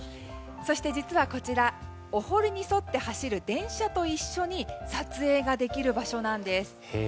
そして実はこちらお堀に沿って走る電車と一緒に撮影ができる場所なんです。